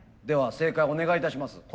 では正解お願いいたします。